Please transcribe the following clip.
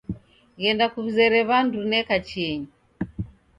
Ghenda kuw'izere w'andu neka chienyi